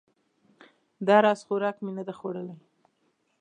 دا راز خوراک مې نه ده خوړلی